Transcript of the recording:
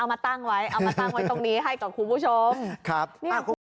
เอามาตั้งไว้ตรงนี้ให้กับคุณผู้ชม